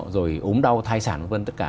rồi ốm đau thai sản tất cả